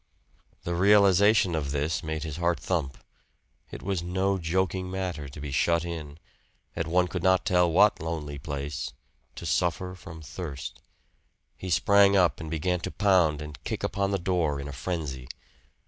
The realization of this made his heart thump. It was no joking matter to be shut in, at one could not tell what lonely place, to suffer from thirst. He sprang up and began to pound and kick upon the door in a frenzy.